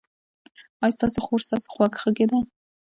ایا ستاسو خور ستاسو خواخوږې ده؟